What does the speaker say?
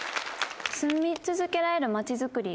「住み続けられるまちづくり」